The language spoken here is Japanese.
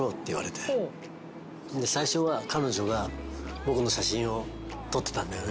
最初は彼女が僕の写真を撮ってたんだよね。